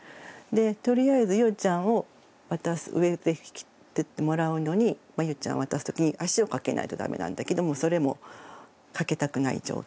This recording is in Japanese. とりあえずゆうちゃんを渡す上で引き取ってもらうのにゆうちゃんを渡すときに足をかけないとだめなんだけどもそれもかけたくない状況で。